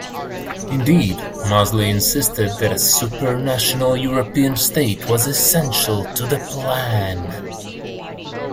Indeed, Mosley insisted that a supranational European state was essential to the plan.